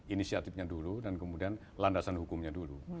inisiatifnya dulu dan kemudian landasan hukumnya dulu